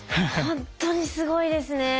ほんとにすごいですね。